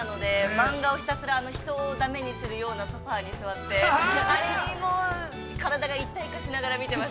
漫画をひたすら人をだめにするようなソファーに座ってあれに体が一体化しながら見てます。